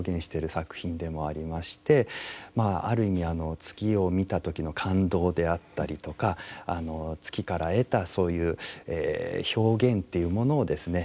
まあある意味月を見た時の感動であったりとか月から得たそういう表現というものをですね